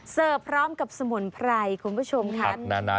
เสิร์ฟพร้อมกับสมนไพรคุณผู้ชมค่ะ